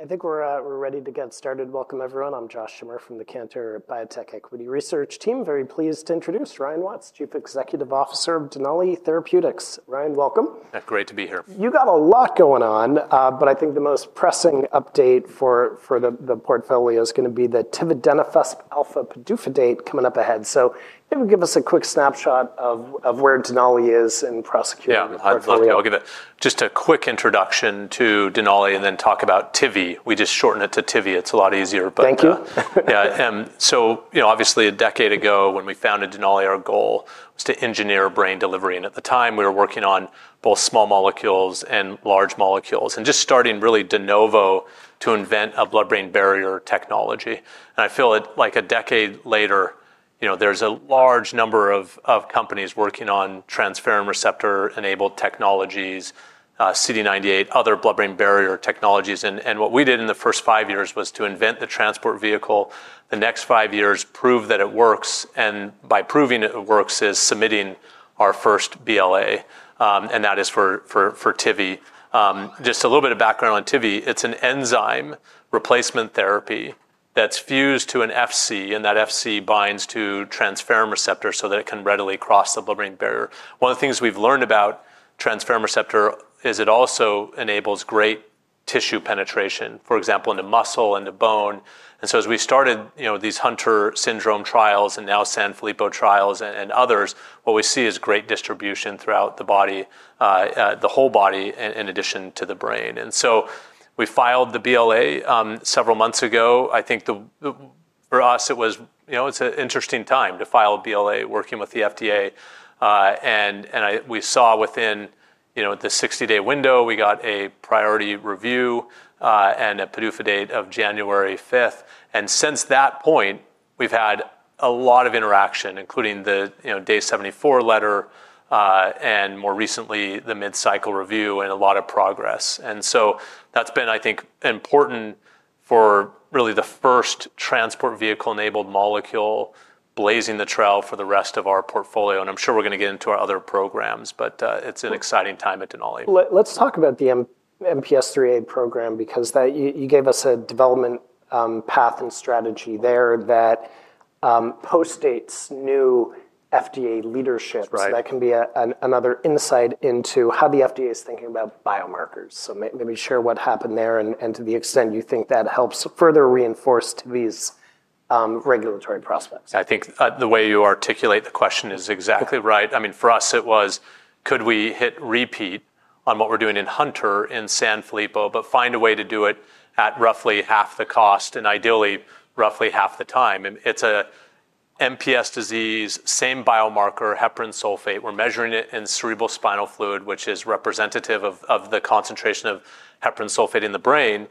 ... I think we're, we're ready to get started. Welcome, everyone. I'm Josh Schimmer from the Cantor Biotech Equity Research Team. Very pleased to introduce Ryan Watts, Chief Executive Officer of Denali Therapeutics. Ryan, welcome. Yeah, great to be here. You got a lot going on, but I think the most pressing update for the portfolio is gonna be the tividenofusp alfa PDUFA date coming up ahead. So if you would give us a quick snapshot of where Denali is in prosecuting- Yeah- the portfolio. I'd love to. I'll give just a quick introduction to Denali and then talk about Tivi. We just shorten it to Tivi. It's a lot easier, but. Thank you. Yeah, so, you know, obviously, a decade ago, when we founded Denali, our goal was to engineer brain delivery, and at the time, we were working on both small molecules and large molecules, and just starting really de novo to invent a blood-brain barrier technology. And I feel it, like a decade later, you know, there's a large number of companies working on transferrin receptor-enabled technologies, CD98, other blood-brain barrier technologies. And what we did in the first five years was to invent the transport vehicle, the next five years, prove that it works, and by proving it works is submitting our first BLA, and that is for Tivi. Just a little bit of background on Tivi. It's an enzyme replacement therapy that's fused to an Fc, and that Fc binds to transferrin receptor so that it can readily cross the blood-brain barrier. One of the things we've learned about transferrin receptor is it also enables great tissue penetration, for example, in the muscle and the bone. And so as we started, you know, these Hunter syndrome trials and now Sanfilippo trials and others, what we see is great distribution throughout the body, the whole body, in addition to the brain. And so we filed the BLA several months ago. I think for us, it was, you know, it's an interesting time to file a BLA working with the FDA, and we saw within, you know, the sixty-day window, we got a priority review and a PDUFA date of January 5th. And since that point, we've had a lot of interaction, including the, you know, Day 74 letter, and more recently, the Mid-cycle review and a lot of progress. And so that's been, I think, important for really the first transport vehicle-enabled molecule blazing the trail for the rest of our portfolio, and I'm sure we're gonna get into our other programs, but, it's an exciting time at Denali. Let's talk about the MPS IIIA program because that you gave us a development path and strategy there that postdates new FDA leadership. Right. So that can be another insight into how the FDA is thinking about biomarkers. So maybe share what happened there and to the extent you think that helps further reinforce Tivi's regulatory prospects. I think, the way you articulate the question is exactly right. I mean, for us, it was, could we hit repeat on what we're doing in Hunter, in Sanfilippo, but find a way to do it at roughly half the cost, and ideally, roughly half the time? It's a MPS disease, same biomarker, heparan sulfate. We're measuring it in cerebrospinal fluid, which is representative of the concentration of heparan sulfate in the brain.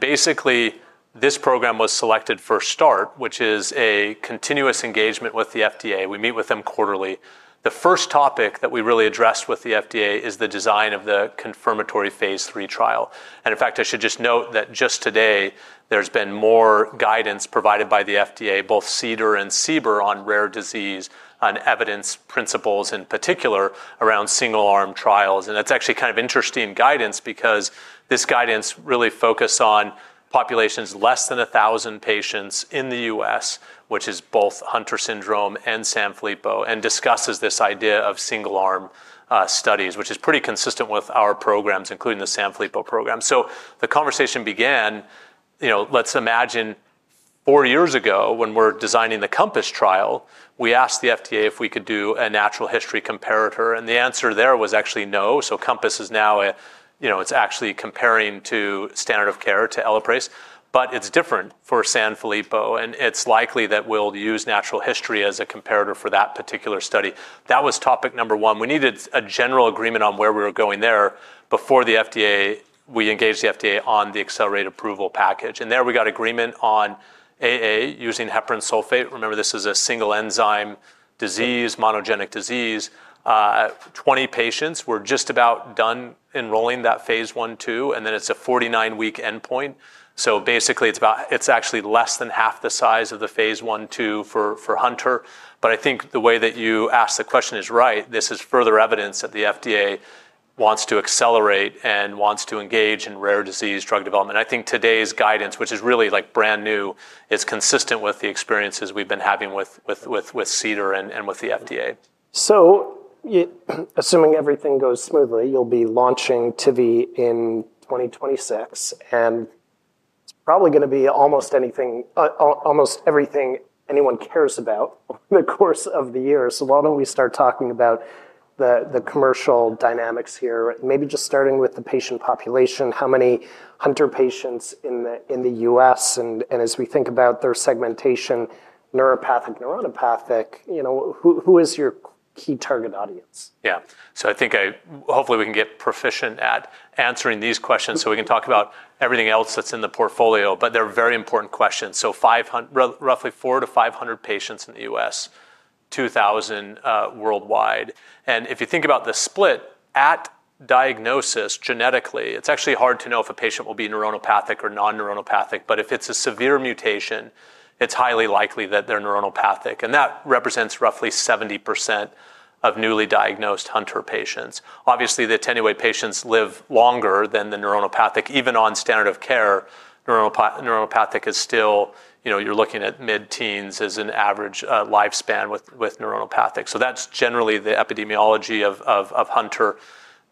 Basically, this program was selected for START, which is a continuous engagement with the FDA. We meet with them quarterly. The first topic that we really addressed with the FDA is the design of the confirmatory phase III trial. In fact, I should just note that just today, there's been more guidance provided by the FDA, both CDER and CBER, on rare disease, on evidence principles, in particular around single-arm trials. That's actually kind of interesting guidance because this guidance really focus on populations less than a thousand patients in the U.S., which is both Hunter syndrome and Sanfilippo, and discusses this idea of single-arm studies, which is pretty consistent with our programs, including the Sanfilippo program. The conversation began, you know, let's imagine four years ago, when we're designing the COMPASS trial, we asked the FDA if we could do a natural history comparator, and the answer there was actually no.COMPASS is now a, you know, it's actually comparing to standard of care to Elaprase, but it's different for Sanfilippo, and it's likely that we'll use natural history as a comparator for that particular study. That was topic number one. We needed a general agreement on where we were going there before the FDA... We engaged the FDA on the accelerated approval package, and there we got agreement on AA using heparan sulfate. Remember, this is a single enzyme disease, monogenic disease. 20 patients, we're just about done enrolling that phase 1/2, and then it's a 49 week endpoint. So basically, it's about. It's actually less than half the size of the phase 1/2 for Hunter. But I think the way that you ask the question is right. This is further evidence that the FDA wants to accelerate and wants to engage in rare disease drug development. I think today's guidance, which is really like brand new, is consistent with the experiences we've been having with CDER and with the FDA. Assuming everything goes smoothly, you'll be launching Tivi in 2026, and it's probably gonna be almost everything anyone cares about over the course of the year. Why don't we start talking about the commercial dynamics here, maybe just starting with the patient population, how many Hunter patients in the U.S., and as we think about their segmentation, neuronopathic, you know, who is your key target audience? Yeah. So I think hopefully, we can get proficient at answering these questions, so we can talk about everything else that's in the portfolio, but they're very important questions, so roughly 400-500 patients in the U.S. 2,000 worldwide. And if you think about the split at diagnosis genetically, it's actually hard to know if a patient will be neuronopathic or non-neuronopathic. But if it's a severe mutation, it's highly likely that they're neuronopathic, and that represents roughly 70% of newly diagnosed Hunter patients. Obviously, the attenuated patients live longer than the neuronopathic. Even on standard of care, neuronopathic is still, you know, you're looking at mid-teens as an average lifespan with neuronopathic, so that's generally the epidemiology of Hunter.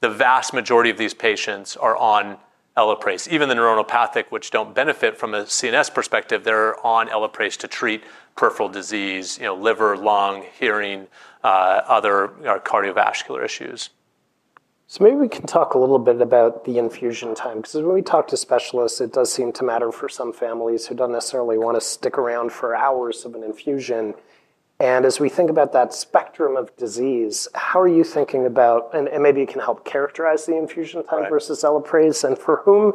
The vast majority of these patients are on Elaprase. Even the neuronopathic, which don't benefit from a CNS perspective, they're on Elaprase to treat peripheral disease, you know, liver, lung, hearing, other, cardiovascular issues. So maybe we can talk a little bit about the infusion time, 'cause when we talk to specialists, it does seem to matter for some families who don't necessarily want to stick around for hours of an infusion. And as we think about that spectrum of disease, how are you thinking about... And maybe you can help characterize the infusion time- Right... versus Elaprase, and for whom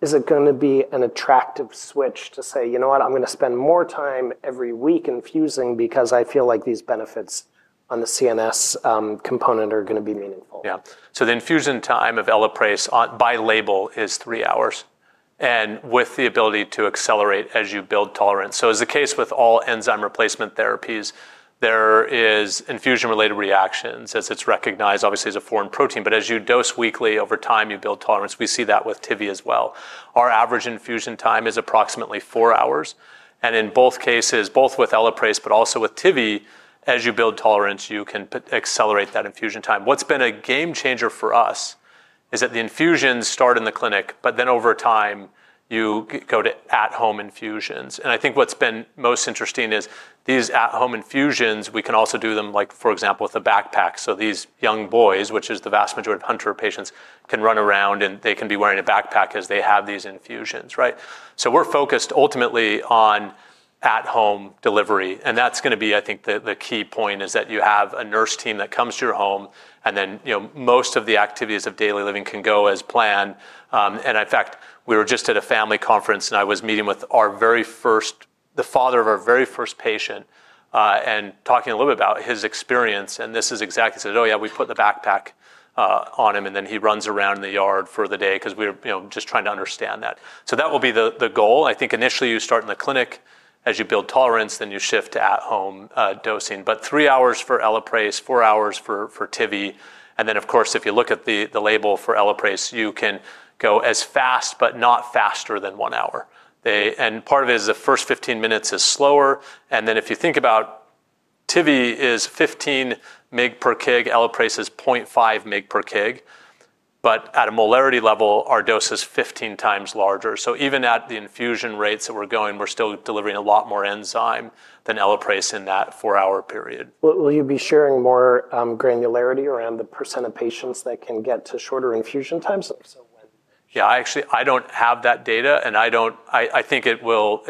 is it gonna be an attractive switch to say, "You know what? I'm gonna spend more time every week infusing because I feel like these benefits on the CNS, component are gonna be meaningful? Yeah. So the infusion time of Elaprase on, by label is three hours, and with the ability to accelerate as you build tolerance. So as the case with all enzyme replacement therapies, there is infusion-related reactions, as it's recognized obviously as a foreign protein. But as you dose weekly, over time you build tolerance. We see that with Tivi as well. Our average infusion time is approximately four hours, and in both cases, both with Elaprase but also with Tivi, as you build tolerance, you can accelerate that infusion time. What's been a game changer for us is that the infusions start in the clinic, but then over time, you go to at-home infusions. And I think what's been most interesting is these at-home infusions, we can also do them, like for example, with a backpack. So these young boys, which is the vast majority of Hunter patients, can run around, and they can be wearing a backpack as they have these infusions, right? So we're focused ultimately on at-home delivery, and that's gonna be I think the key point, is that you have a nurse team that comes to your home, and then, you know, most of the activities of daily living can go as planned. And in fact, we were just at a family conference, and I was meeting with the father of our very first patient and talking a little bit about his experience, and this is exact. He said, "Oh, yeah, we put the backpack on him, and then he runs around in the yard for the day," 'cause we're, you know, just trying to understand that. So that will be the goal. I think initially you start in the clinic. As you build tolerance, then you shift to at-home dosing. But 3 hours for Elaprase, 4 hours for Tivi, and then, of course, if you look at the label for Elaprase, you can go as fast, but not faster than 1 hour. And part of it is the first 15 minutes is slower, and then if you think about Tivi is 15 mg per kg, Elaprase is 0.5 mg per kg. But at a molarity level, our dose is 15 times larger. So even at the infusion rates that we're going, we're still delivering a lot more enzyme than Elaprase in that 4-hour period. Will, will you be sharing more granularity around the percent of patients that can get to shorter infusion times? So when- Yeah, I actually don't have that data, and I think it will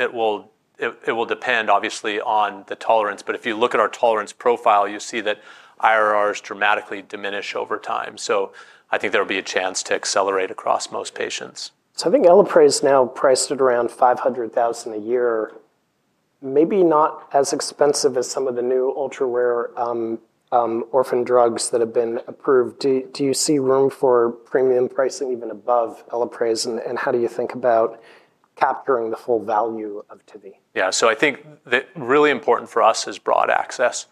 depend obviously on the tolerability. But if you look at our tolerability profile, you see that IRRs dramatically diminish over time. So I think there will be a chance to accelerate across most patients. I think Elaprase is now priced at around $500,000 a year, maybe not as expensive as some of the new ultra-rare orphan drugs that have been approved. Do you see room for premium pricing even above Elaprase, and how do you think about capturing the full value of Tivi? Yeah. So I think the really important for us is broad access,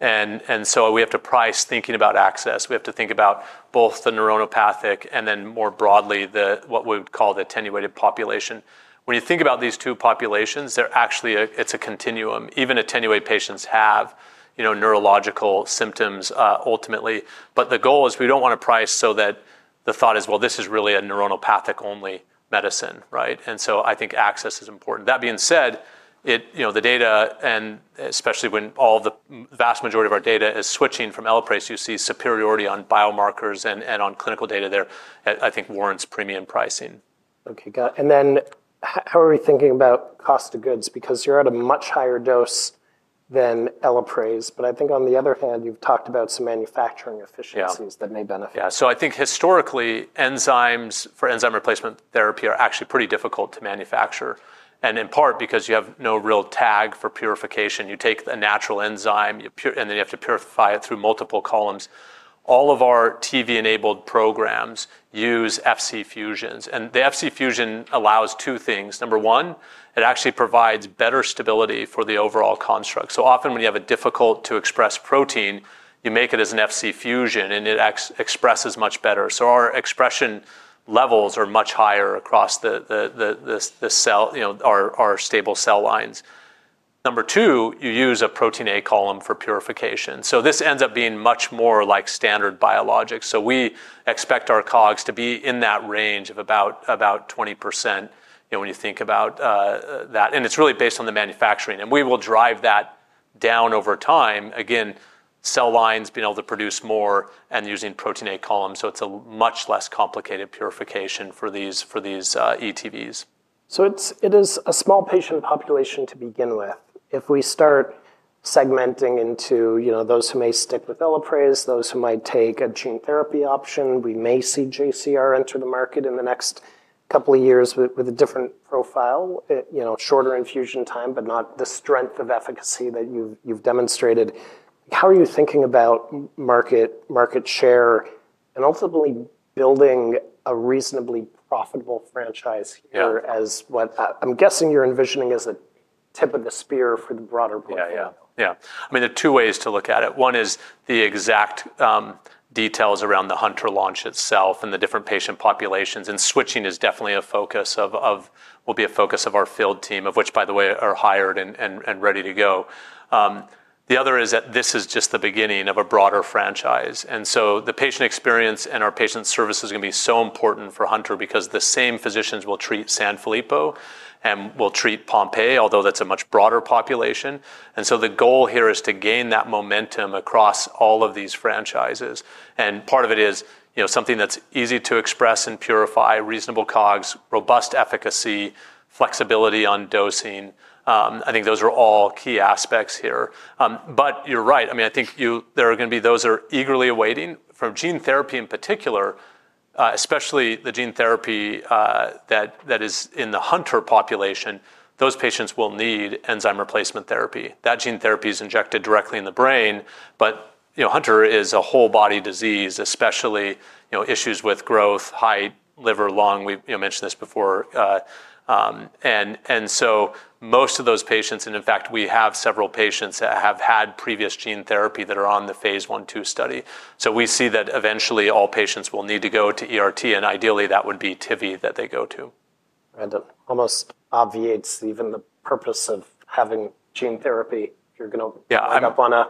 and so we have to price thinking about access. We have to think about both the neuronopathic and then, more broadly, the, what we would call the attenuated population. When you think about these two populations, they're actually a, it's a continuum. Even attenuated patients have, you know, neurological symptoms ultimately. But the goal is we don't want to price so that the thought is, well, this is really a neuronopathic-only medicine, right? And so I think access is important. That being said, it... You know, the data, and especially when all the vast majority of our data is switching from Elaprase, you see superiority on biomarkers and on clinical data there, I think warrants premium pricing. Okay, got it. And then how are we thinking about cost of goods? Because you're at a much higher dose than Elaprase, but I think on the other hand, you've talked about some manufacturing efficiencies- Yeah... that may benefit. Yeah. So I think historically, enzymes for enzyme replacement therapy are actually pretty difficult to manufacture, and in part because you have no real tag for purification. You take a natural enzyme, you purify and then you have to purify it through multiple columns. All of our TIVI-enabled programs use Fc fusions, and the Fc fusion allows two things. Number one, it actually provides better stability for the overall construct. So often, when you have a difficult-to-express protein, you make it as an Fc fusion, and it expresses much better. So our expression levels are much higher across the cell, you know, our stable cell lines. Number two, you use a Protein A column for purification, so this ends up being much more like standard biologics. So we expect our COGS to be in that range of about 20%, you know, when you think about that, and it's really based on the manufacturing. And we will drive that down over time. Again, cell lines being able to produce more and using Protein A columns, so it's a much less complicated purification for these ETVs. It is a small patient population to begin with. If we start segmenting into, you know, those who may stick with Elaprase, those who might take a gene therapy option, we may see JCR enter the market in the next couple of years with, with a different profile, you know, shorter infusion time, but not the strength of efficacy that you've demonstrated. How are you thinking about market, market share, and ultimately building a reasonably profitable franchise here? Yeah... as what, I'm guessing you're envisioning as a tip of the spear for the broader portfolio? Yeah, yeah. Yeah. I mean, there are two ways to look at it. One is the exact details around the Hunter launch itself and the different patient populations, and switching is definitely a focus of our field team, of which, by the way, are hired and ready to go. The other is that this is just the beginning of a broader franchise, and so the patient experience and our patient service is gonna be so important for Hunter because the same physicians will treat Sanfilippo and will treat Pompe, although that's a much broader population. And so the goal here is to gain that momentum across all of these franchises. And part of it is, you know, something that's easy to express and purify, reasonable COGS, robust efficacy, flexibility on dosing. I think those are all key aspects here. But you're right. I mean, I think there are gonna be those that are eagerly awaiting for gene therapy in particular, especially the gene therapy that is in the Hunter population. Those patients will need enzyme replacement therapy. That gene therapy is injected directly in the brain, but you know, Hunter is a whole body disease, especially you know, issues with growth, height, liver, lung. We've you know, mentioned this before. And so most of those patients, and in fact, we have several patients that have had previous gene therapy that are on the phase I, II study. So we see that eventually all patients will need to go to ERT, and ideally, that would be Tivi that they go to. And it almost obviates even the purpose of having gene therapy if you're gonna- Yeah, I- end up on a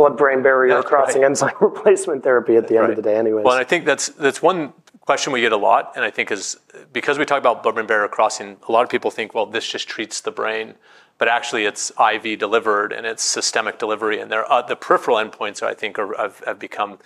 blood-brain barrier Yeah, I- Crossing enzyme replacement therapy at the end of the day anyways. Right. Well, and I think that's one question we get a lot, and I think is... Because we talk about blood-brain barrier crossing, a lot of people think, "Well, this just treats the brain," but actually it's IV delivered, and it's systemic delivery, and the peripheral endpoints I think have become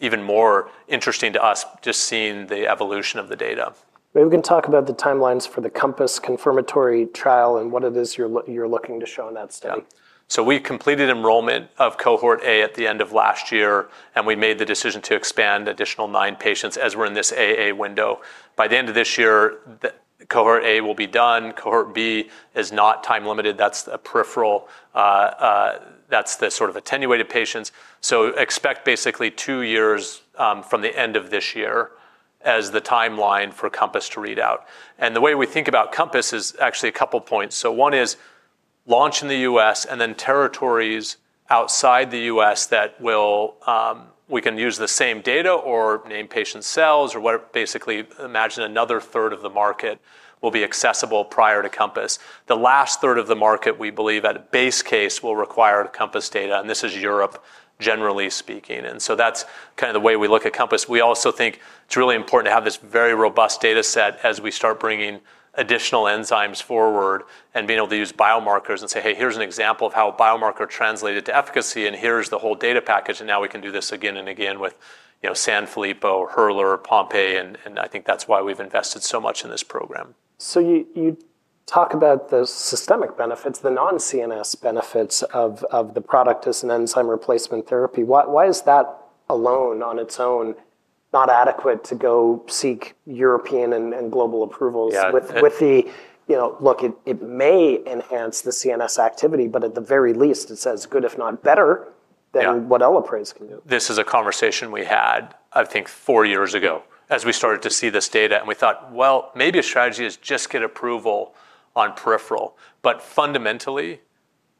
even more interesting to us, just seeing the evolution of the data. Maybe we can talk about the timelines for the COMPASS confirmatory trial and what it is you're looking to show in that study. Yeah. So we completed enrollment of Cohort A at the end of last year, and we made the decision to expand additional nine patients as we're in this AA window. By the end of this year, the Cohort A will be done. Cohort B is not time limited. That's a peripheral, that's the sort of attenuated patients. So expect basically two years, from the end of this year as the timeline for COMPASS to read out. And the way we think about COMPASS is actually a couple points. So one is launch in the U.S. and then territories outside the U.S. that will, we can use the same data or named patient sales or whatever, basically, imagine another third of the market will be accessible prior to COMPASS. The last third of the market, we believe, at base case, will require COMPASS data, and this is Europe, generally speaking. And so that's kind of the way we look at COMPASS. We also think it's really important to have this very robust data set as we start bringing additional enzymes forward and being able to use biomarkers and say: Hey, here's an example of how a biomarker translated to efficacy, and here's the whole data package, and now we can do this again and again with, you know, Sanfilippo, Hurler, Pompe, and, and I think that's why we've invested so much in this program. So you talk about the systemic benefits, the non-CNS benefits of the product as an enzyme replacement therapy. Why is that alone on its own not adequate to go seek European and global approvals? Yeah... with the, you know, look, it may enhance the CNS activity, but at the very least, it says good, if not better- Yeah... than what Elaprase can do. This is a conversation we had, I think, four years ago as we started to see this data, and we thought: Well, maybe a strategy is just get approval on peripheral. But fundamentally,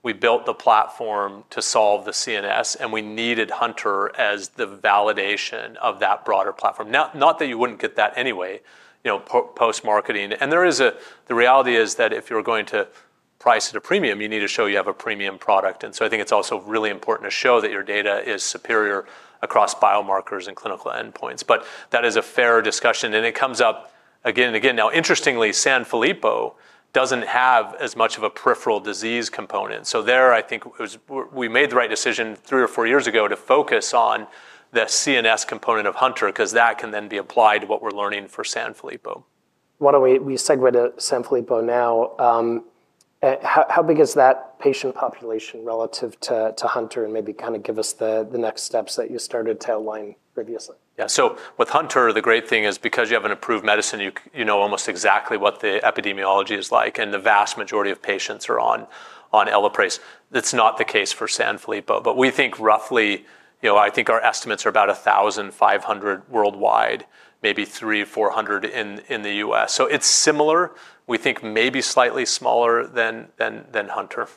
we built the platform to solve the CNS, and we needed Hunter as the validation of that broader platform. Now, not that you wouldn't get that anyway, you know, post-marketing, and there is a... The reality is that if you're going to price at a premium, you need to show you have a premium product. And so I think it's also really important to show that your data is superior across biomarkers and clinical endpoints. But that is a fair discussion, and it comes up again and again. Now, interestingly, Sanfilippo doesn't have as much of a peripheral disease component, so there I think we made the right decision three or four years ago to focus on the CNS component of Hunter 'cause that can then be applied to what we're learning for Sanfilippo. Why don't we segue to Sanfilippo now? How big is that patient population relative to Hunter? And maybe kind of give us the next steps that you started to outline previously. Yeah. So with Hunter, the great thing is because you have an approved medicine, you know almost exactly what the epidemiology is like, and the vast majority of patients are on Elaprase. That's not the case for Sanfilippo, but we think roughly, you know, I think our estimates are about 1,500 worldwide, maybe 300-400 in the U.S., so it's similar, we think maybe slightly smaller than Hunter.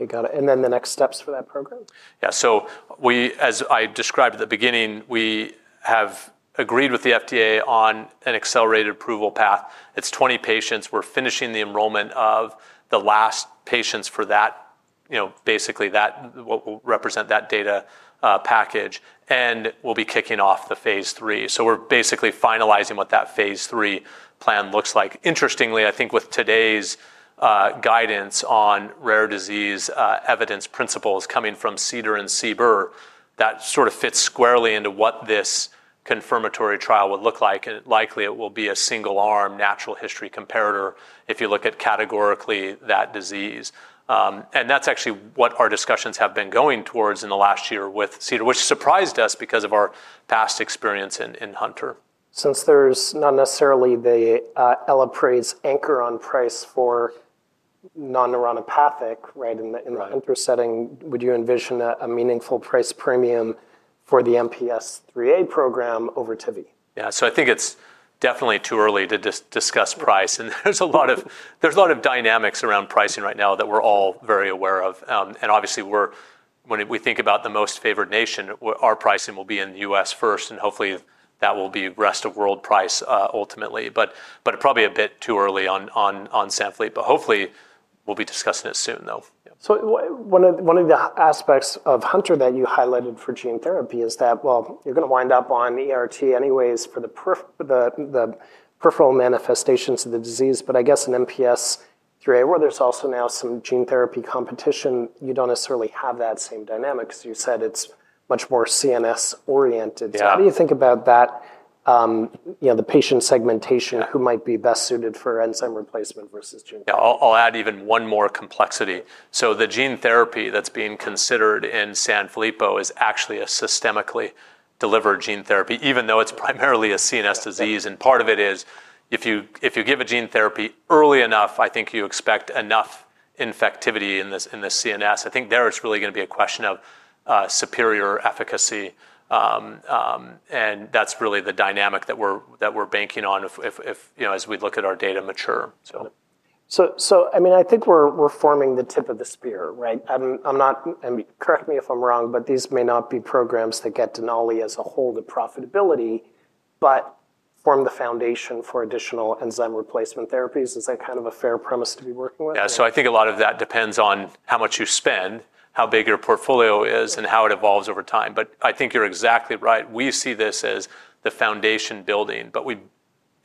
Okay, got it. And then the next steps for that program? Yeah. So we, as I described at the beginning, we have agreed with the FDA on an accelerated approval path. It's 20 patients. We're finishing the enrollment of the last patients for that, you know, basically that, what will represent that data package, and we'll be kicking off the phase III. So we're basically finalizing what that phase III plan looks like. Interestingly, I think with today's guidance on rare disease evidence principles coming from CDER and CBER, that sort of fits squarely into what this confirmatory trial would look like, and likely it will be a single-arm natural history comparator if you look at categorically that disease. And that's actually what our discussions have been going towards in the last year with CDER, which surprised us because of our past experience in Hunter. Since there's not necessarily the Elaprase anchor on price for non-neuropathic, right? In the in- Right... Hunter setting, would you envision a meaningful price premium for the MPS IIIA program over Tivi? Yeah, so I think it's definitely too early to discuss price, and there's a lot of dynamics around pricing right now that we're all very aware of. And obviously, when we think about the most favored nation, our pricing will be in the U.S. first, and hopefully that will be rest-of-world price ultimately. But probably a bit too early on Sanfilippo, but hopefully, we'll be discussing it soon, though. Yeah. So one of the aspects of Hunter that you highlighted for gene therapy is that, well, you're gonna wind up on the ERT anyways for the peripheral manifestations of the disease, but I guess in MPS IIIA, where there's also now some gene therapy competition, you don't necessarily have that same dynamic because you said it's much more CNS-oriented. Yeah. So what do you think about that, you know, the patient segmentation- Yeah... who might be best suited for enzyme replacement versus gene therapy? Yeah, I'll add even one more complexity. The gene therapy that's being considered in Sanfilippo is actually a systemically delivered gene therapy, even though it's primarily a CNS disease. And part of it is, if you give a gene therapy early enough, I think you expect enough infectivity in the CNS. I think it's really gonna be a question of superior efficacy. And that's really the dynamic that we're banking on if, you know, as we look at our data mature, so. So, I mean, I think we're forming the tip of the spear, right? I'm not, and correct me if I'm wrong, but these may not be programs that get Denali as a whole to profitability, but form the foundation for additional enzyme replacement therapies. Is that kind of a fair premise to be working with? Yeah. So I think a lot of that depends on how much you spend, how big your portfolio is, and how it evolves over time. But I think you're exactly right. We see this as the foundation building, but we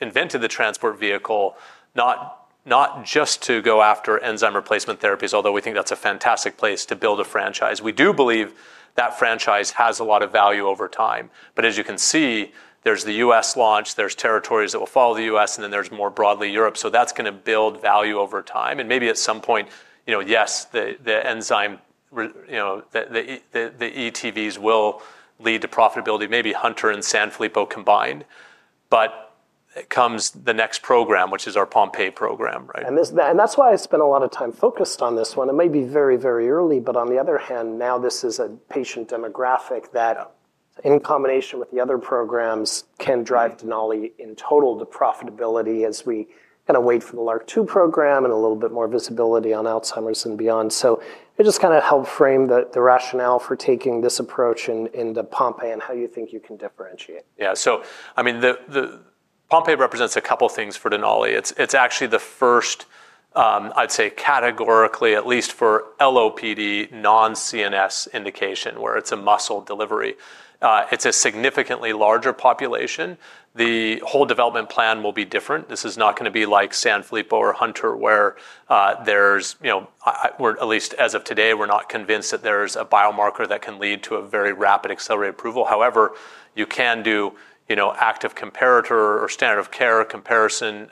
invented the transport vehicle not just to go after enzyme replacement therapies, although we think that's a fantastic place to build a franchise. We do believe that franchise has a lot of value over time. But as you can see, there's the U.S. launch, there's territories that will follow the U.S., and then there's, more broadly, Europe, so that's gonna build value over time. And maybe at some point, you know, yes, the ETVs will lead to profitability, maybe Hunter and Sanfilippo combined. But comes the next program, which is our Pompe program, right? And this, and that's why I spent a lot of time focused on this one. It may be very, very early, but on the other hand, now this is a patient demographic that, in combination with the other programs, can drive Denali in total to profitability as we kind of wait for the LRRK2 program and a little bit more visibility on Alzheimer's and beyond. So it just kind of helped frame the rationale for taking this approach in the Pompe and how you think you can differentiate. Yeah. So, I mean, the Pompe represents a couple of things for Denali. It's actually the first, I'd say, categorically, at least for LOPD, non-CNS indication, where it's a muscle delivery. It's a significantly larger population. The whole development plan will be different. This is not gonna be like Sanfilippo or Hunter, where there's, you know, we're not convinced that there's a biomarker that can lead to a very rapid accelerated approval. However, you can do, you know, active comparator or standard of care comparison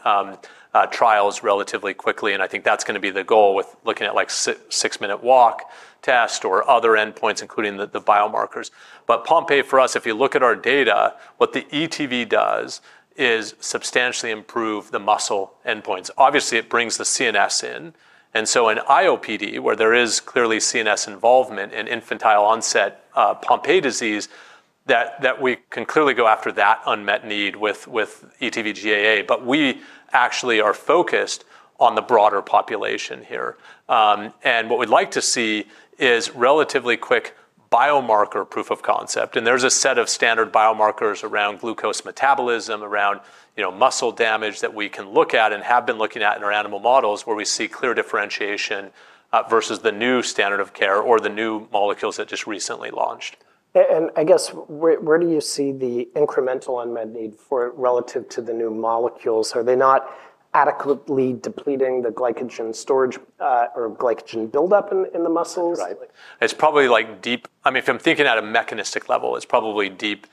trials relatively quickly, and I think that's gonna be the goal with looking at, like, six-minute walk test or other endpoints, including the biomarkers. But Pompe, for us, if you look at our data, what the ETV does is substantially improve the muscle endpoints. Obviously, it brings the CNS in, and so in IOPD, where there is clearly CNS involvement in infantile-onset Pompe disease, that we can clearly go after that unmet need with ETV GAA. But we actually are focused on the broader population here, and what we'd like to see is relatively quick biomarker proof of concept, and there's a set of standard biomarkers around glucose metabolism, around, you know, muscle damage that we can look at and have been looking at in our animal models, where we see clear differentiation versus the new standard of care or the new molecules that just recently launched. and I guess, where do you see the incremental unmet need for it relative to the new molecules? Are they not adequately depleting the glycogen storage, or glycogen buildup in the muscles? Right. It's probably, like, deep. I mean, if I'm thinking at a mechanistic level, it's probably deep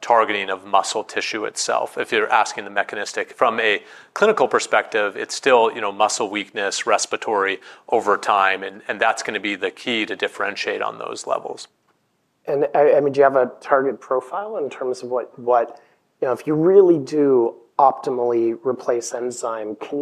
targeting of muscle tissue itself, if you're asking the mechanistic. From a clinical perspective, it's still, you know, muscle weakness, respiratory over time, and that's gonna be the key to differentiate on those levels. I mean, do you have a target profile in terms of what... You know, if you really do optimally replace enzyme, can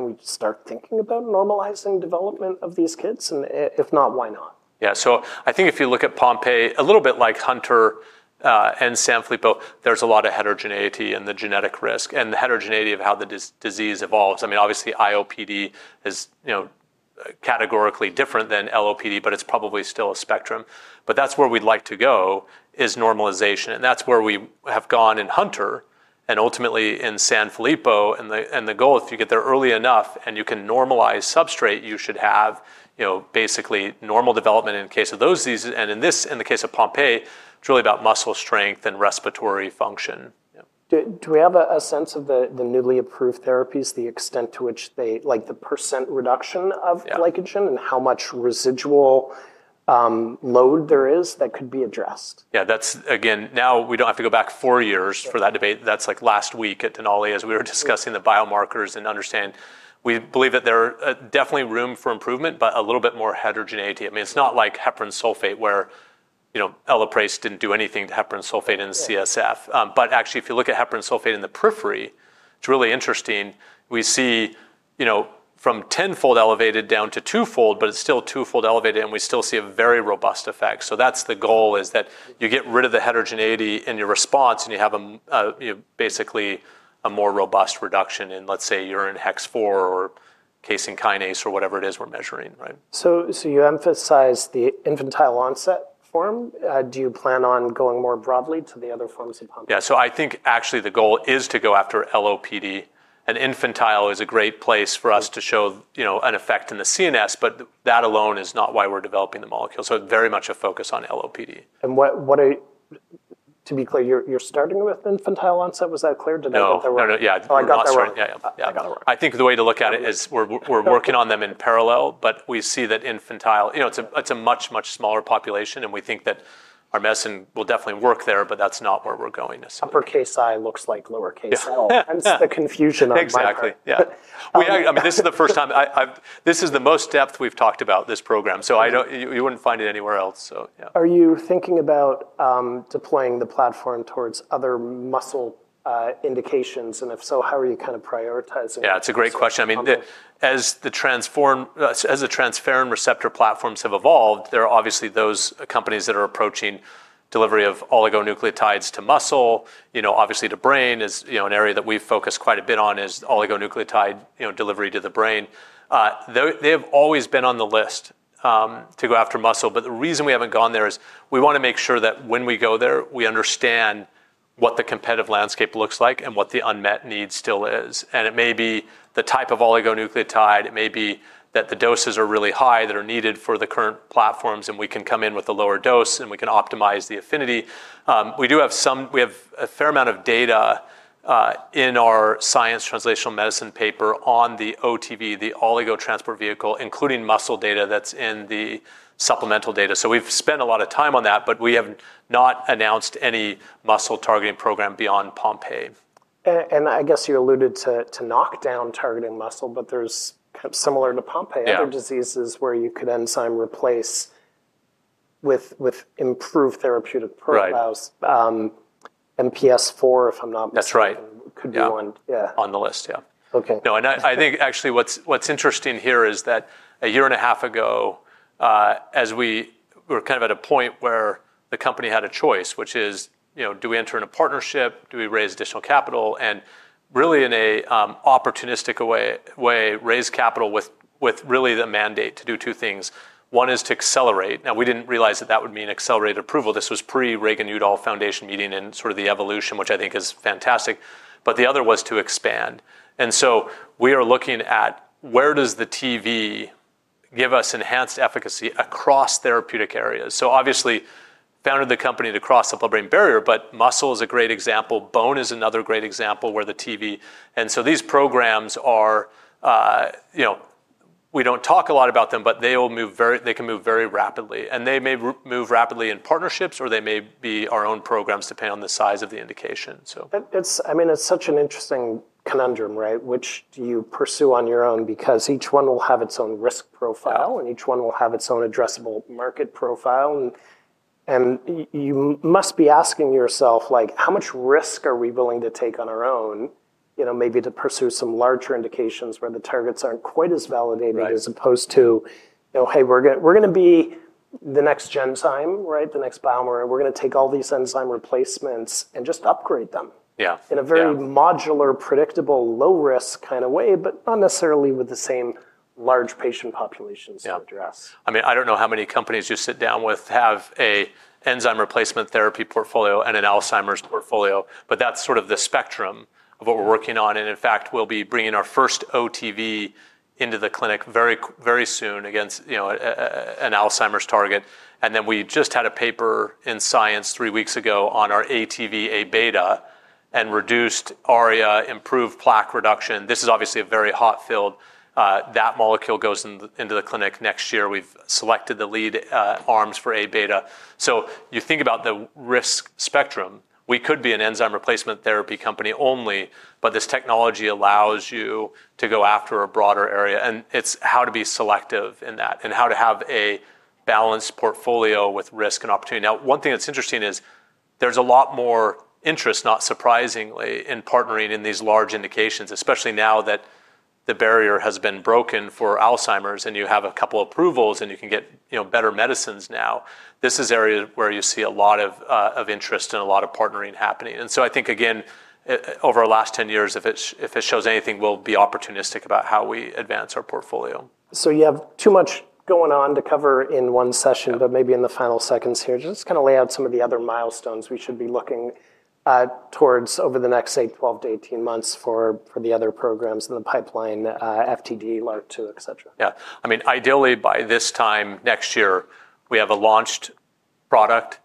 we start thinking about normalizing development of these kids? If not, why not? Yeah. So I think if you look at Pompe, a little bit like Hunter, and Sanfilippo, there's a lot of heterogeneity in the genetic risk and the heterogeneity of how the disease evolves. I mean, obviously, IOPD is, you know, categorically different than LOPD, but it's probably still a spectrum. But that's where we'd like to go, is normalization, and that's where we have gone in Hunter and ultimately in Sanfilippo. And the goal, if you get there early enough and you can normalize substrate, you should have, you know, basically normal development in case of those diseases. And in this, in the case of Pompe, it's really about muscle strength and respiratory function. Yeah. Do we have a sense of the newly approved therapies, the extent to which they... Like, the percent reduction of- Yeah - glycogen and how much residual load there is that could be addressed? Yeah, that's... Again, now, we don't have to go back four years- Yeah for that debate. That's, like, last week at Denali as we were discussing the biomarkers, and understand, we believe that there are definitely room for improvement, but a little bit more heterogeneity. I mean, it's not like heparan sulfate, where you know, Elaprase didn't do anything to heparan sulfate in the CSF. Yeah. But actually, if you look at heparan sulfate in the periphery, it's really interesting. We see, you know, from tenfold elevated down to twofold, but it's still twofold elevated, and we still see a very robust effect. So that's the goal, is that you get rid of the heterogeneity in your response, and you have a, you know, basically a more robust reduction in, let's say, urine Hex4 or creatine kinase or whatever it is we're measuring, right? So, you emphasize the infantile onset form. Do you plan on going more broadly to the other forms of Pompe? Yeah, so I think actually the goal is to go after LOPD, and infantile is a great place for us to show, you know, an effect in the CNS, but that alone is not why we're developing the molecule, so very much a focus on LOPD. To be clear, you're starting with infantile onset. Was that clear? Did I get that right? No. No, no, yeah. Oh, I got that wrong. Yeah, yeah. I got that wrong. I think the way to look at it is we're working on them in parallel, but we see that infantile, you know, it's a much smaller population, and we think that our medicine will definitely work there, but that's not where we're going necessarily. Upper case I looks like lower case L. Yeah. Hence the confusion on my part. Exactly, yeah. Um- I mean, this is the first time I've... This is the most depth we've talked about this program, so you wouldn't find it anywhere else, so yeah. Are you thinking about deploying the platform towards other muscle indications? And if so, how are you kind of prioritizing? Yeah, it's a great question. Okay. I mean, as the transferrin receptor platforms have evolved, there are obviously those companies that are approaching delivery of oligonucleotides to muscle. You know, obviously to brain is, you know, an area that we've focused quite a bit on is oligonucleotide, you know, delivery to the brain. They have always been on the list to go after muscle, but the reason we haven't gone there is we wanna make sure that when we go there, we understand what the competitive landscape looks like and what the unmet need still is. And it may be the type of oligonucleotide, it may be that the doses are really high that are needed for the current platforms, and we can come in with a lower dose, and we can optimize the affinity. We have a fair amount of data in our Science Translational Medicine paper on the OTV, the Oligo Transport Vehicle, including muscle data that's in the supplemental data. We've spent a lot of time on that, but we have not announced any muscle targeting program beyond Pompe. And I guess you alluded to knock down targeting muscle, but there's kind of similar to Pompe- Yeah... other diseases where you could enzyme replace with improved therapeutic profiles. Right. MPS IV, if I'm not mistaken- That's right... could be one. Yeah. Yeah. On the list, yeah. Okay. No, and I think actually what's interesting here is that a year and a half ago, as we were kind of at a point where the company had a choice, which is, you know, do we enter in a partnership? Do we raise additional capital? And really in an opportunistic way raise capital with really the mandate to do two things. One is to accelerate. Now, we didn't realize that that would mean accelerated approval. This was pre-Reagan-Udall Foundation meeting and sort of the evolution, which I think is fantastic, but the other was to expand. And so we are looking at where does the TV give us enhanced efficacy across therapeutic areas? So obviously, founded the company to cross the blood-brain barrier, but muscle is a great example. Bone is another great example where the TV... And so these programs are, you know, we don't talk a lot about them, but they will move. They can move very rapidly, and they may move rapidly in partnerships, or they may be our own programs, depending on the size of the indication, so. I mean, it's such an interesting conundrum, right? Which do you pursue on your own, because each one will have its own risk profile- Yeah... and each one will have its own addressable market profile. And you must be asking yourself, like, how much risk are we willing to take on our own, you know, maybe to pursue some larger indications where the targets aren't quite as validating- Right... as opposed to, you know, hey, we're gonna be the next Genzyme, right? The next BioMarin. We're gonna take all these enzyme replacements and just upgrade them- Yeah, yeah... in a very modular, predictable, low-risk kind of way, but not necessarily with the same large patient populations- Yeah... to address. I mean, I don't know how many companies you sit down with have a enzyme replacement therapy portfolio and an Alzheimer's portfolio, but that's sort of the spectrum of what we're working on. And in fact, we'll be bringing our first OTV into the clinic very soon against, you know, an Alzheimer's target. And then we just had a paper in Science three weeks ago on our ATV, A-beta, and reduced ARIA, improved plaque reduction. This is obviously a very hot field. That molecule goes into the clinic next year. We've selected the lead arms for A-beta. So you think about the risk spectrum, we could be an enzyme replacement therapy company only, but this technology allows you to go after a broader area, and it's how to be selective in that and how to have a balanced portfolio with risk and opportunity. Now, one thing that's interesting is there's a lot more interest, not surprisingly, in partnering in these large indications, especially now that the barrier has been broken for Alzheimer's, and you have a couple approvals, and you can get, you know, better medicines now. This is area where you see a lot of interest and a lot of partnering happening. I think, again, over the last 10 years, if it shows anything, we'll be opportunistic about how we advance our portfolio. So you have too much going on to cover in one session- Yeah... but maybe in the final seconds here, just kind of lay out some of the other milestones we should be looking towards over the next, say, 12 - 18 months for the other programs in the pipeline, FTD, LRRK2, et cetera. Yeah. I mean, ideally, by this time next year, we have a launched product.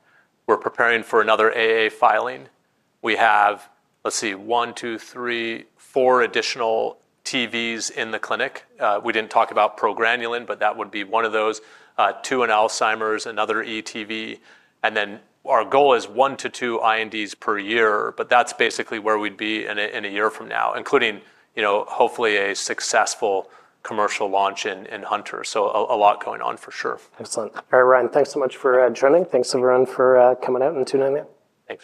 We're preparing for another AA filing. We have, let's see, one, two, three, four additional TVs in the clinic. We didn't talk about progranulin, but that would be one of those, two in Alzheimer's, another ETV, and then our goal is one to two INDs per year, but that's basically where we'd be in a year from now, including, you know, hopefully a successful commercial launch in Hunter. So a lot going on for sure. Excellent. All right, Ryan, thanks so much for joining. Thanks, everyone, for coming out and tuning in. Thanks.